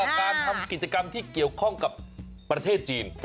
การทำกิจกรรมที่เกี่ยวข้องกับประเทศจีน